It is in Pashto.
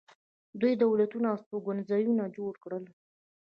دوی دولتونه او استوګنځایونه جوړ کړل.